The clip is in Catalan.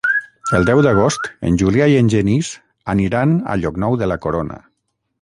El deu d'agost en Julià i en Genís aniran a Llocnou de la Corona.